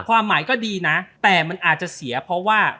ความหมายก็ดีนะแต่มันอาจจะเสียเพราะว่า